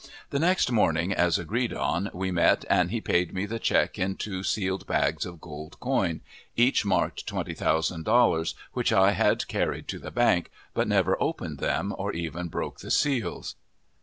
The next morning, as agreed on, we met, and he paid me the check in two sealed bags of gold coin, each marked twenty thousand dollars, which I had carried to the bank, but never opened them, or even broke the seals.